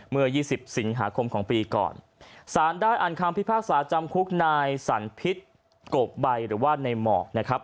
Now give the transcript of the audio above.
เมื่อ๒๐สิงหาคมของปีก่อนสารได้อ่านคำพิพากษาจำคุกนายสันพิษโกบใบหรือว่าในหมอกนะครับ